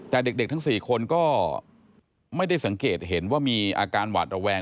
แต่เด็กทั้ง๔คนก็ไม่ได้สังเกตเห็นว่ามีอาการหวาดระแวง